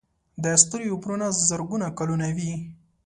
د ستوري عمرونه زرګونه کلونه وي.